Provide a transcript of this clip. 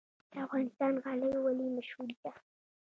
د افغانستان غالۍ ولې مشهورې دي؟